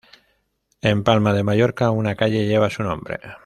En Palma de Mallorca una calle lleva su nombre.